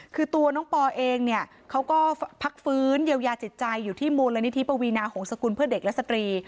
คือตัวน้องปอเองเนี่ยเขาก็พักฟื้นเยียวยาจิตใจอยู่ที่มูลนิธิปวีนาหงษกุลเพื่อเด็กและสตรี